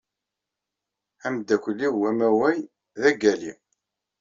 Ameddakel-inu amaway d Agali.